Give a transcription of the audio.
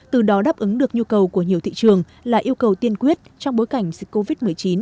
từ đó đáp ứng được nhu cầu của nhiều thị trường là yêu cầu tiên quyết trong bối cảnh dịch covid một mươi chín